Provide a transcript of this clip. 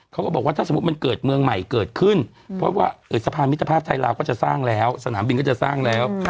เขาก็บอกว่าถ้าสมมุติมันเกิดเมืองใหม่เกิดขึ้นเพราะว่าสะพานมิตรภาพไทยลาวก็จะสร้างแล้วสนามบินก็จะสร้างแล้ว